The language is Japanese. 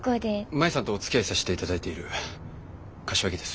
舞さんとおつきあいさしていただいてる柏木です。